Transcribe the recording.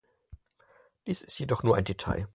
Dies ist jedoch nur ein Detail.